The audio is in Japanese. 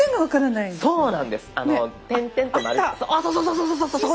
そうそうそう！